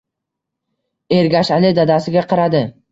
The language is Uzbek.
Ergashali dadasiga qaradi.